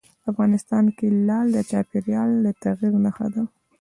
افغانستان کې لعل د چاپېریال د تغیر نښه ده.